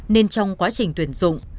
nên trong quá trình tuyển dụng